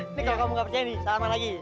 ini kalau kamu gak percaya nih sama lagi